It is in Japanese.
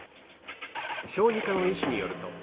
小児科の医師によると。